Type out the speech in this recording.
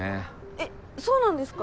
えっそうなんですか？